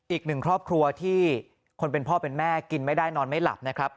อีกหนึ่งครอบครัวที่คนเป็นพ่อเป็นแม่กินไม่ได้นอนไม่หลับนะครับ